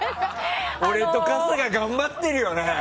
俺と春日、頑張ってるよね！